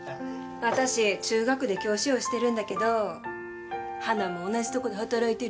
私中学で教師をしてるんだけど花も同じとこで働いてるよ。